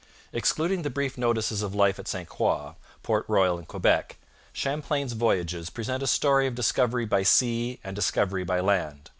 Excluding the brief notices of life at St Croix, Port Royal, and Quebec, Champlain's Voyages present a story of discovery by sea and discovery by land.